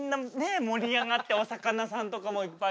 盛り上がってお魚さんとかもいっぱいいて。